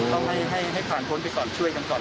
ต้องให้ผ่านพ้นไปก่อนช่วยกันก่อน